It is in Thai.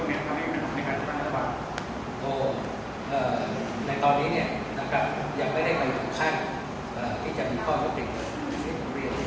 ในตอนนี้เนี่ยนะคะยังไม่ได้ก็ใช่อ่าไม่ได้ตั้งแต่งส่วน